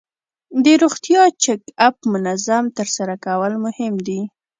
د روغتیا چک اپ منظم ترسره کول مهم دي.